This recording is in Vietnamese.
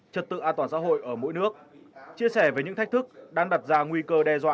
trật tự an toàn xã hội ở mỗi nước chia sẻ về những thách thức đang đặt ra nguy cơ đe dọa